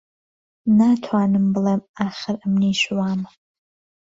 نا توانم بلێم ئاخر ئهمنیش وام